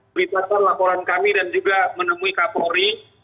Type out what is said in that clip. beritakan laporan kami dan juga menemui kapolri